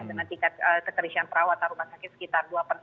dengan tingkat kekerisian perawat taruh masyarakat sekitar dua